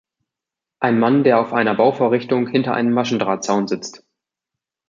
Ein Mann, der auf einer Bauvorrichtung hinter einem Maschendrahtzaun sitzt.